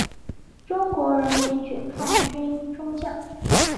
中国人民解放军中将。